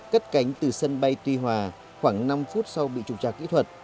cất cánh từ sân bay tuy hòa khoảng năm phút sau bị trục trạc kỹ thuật